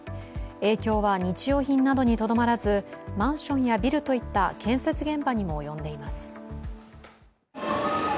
影響は日用品などにとどまらずマンションやビルといった建設現場にも及んでいます。